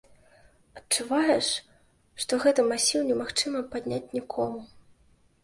Адчуваеш, што гэты масіў немагчыма падняць нікому.